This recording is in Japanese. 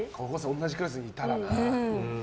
同じクラスにいたらな。